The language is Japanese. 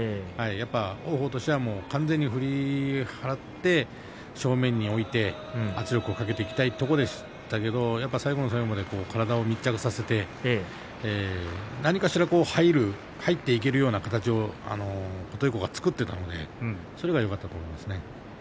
王鵬としては完全に振り払って正面に置いて圧力をかけていきたいところでしたけれど最後の最後まで体を密着させて何かしら入っていけるような形を琴恵光が作っていたのでそれがよかったと思います。